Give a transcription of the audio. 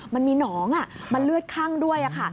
มันมีหนองมันเลือดคั่งด้วยค่ะ